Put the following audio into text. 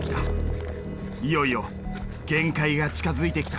いよいよ限界が近づいてきた。